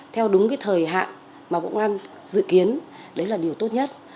theo đúng thời hạn mà bộ công an dự kiến đấy là điều tốt nhất